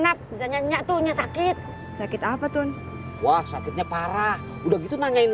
nap dan nyanyi punya sakit sakit apa tuh wah sakitnya parah udah gitu nanyain